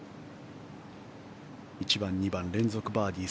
１番、２番連続バーディー。